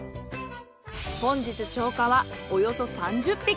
本日釣果はおよそ３０匹。